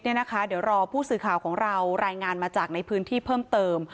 เดี๋ยวรอผู้สื่อข่าวของเรารายงานมาจากในพื้นที่เพิ่มเติม